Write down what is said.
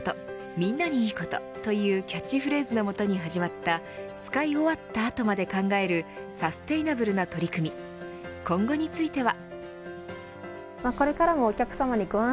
みんなにいいことというキャッチフレーズの元に始まった使い終わった後まで考えるサステナブルな取り組み今後については。